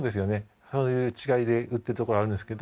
そういう違いで売ってる所あるんですけど。